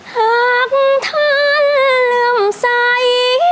หากทันลืมใส่